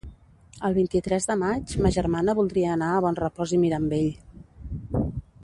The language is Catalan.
El vint-i-tres de maig ma germana voldria anar a Bonrepòs i Mirambell.